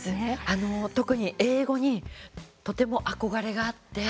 あの特に英語にとても憧れがあって。